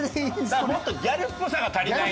だからもっとギャルっぽさが足りない。